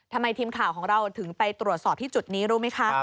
ทีมข่าวของเราถึงไปตรวจสอบที่จุดนี้รู้ไหมคะ